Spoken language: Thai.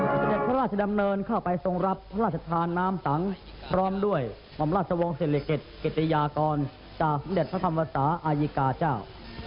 ทะเด็ดพระราชดำเนินเข้าไปทรงรับพระราชธานนามตังค์พร้อมด้วยมอมราชวงศิลิกิษฐ์อิตยากรจากทะเด็ดพระธรรมวษาอายกาเจ้า